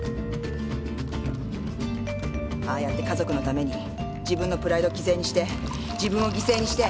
ああやって家族のために自分のプライド犠牲にして自分を犠牲にして。